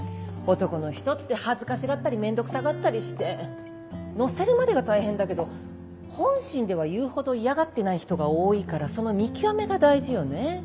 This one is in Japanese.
男の人って恥ずかしがったり面倒くさがったりして乗せるまでが大変だけど本心では言うほど嫌がってない人が多いからその見極めが大事よね。